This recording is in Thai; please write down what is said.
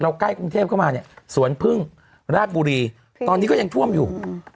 ใกล้กรุงเทพเข้ามาเนี่ยสวนพึ่งราชบุรีตอนนี้ก็ยังท่วมอยู่